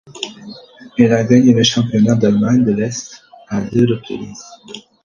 Elle a gagné le championnat d'Allemagne de l'Est à deux reprises.